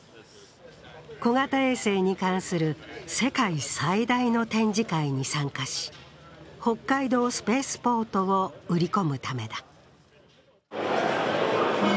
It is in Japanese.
小型衛星に関する世界最大の展示会に参加し、北海道スペースポートを売り込むためだ。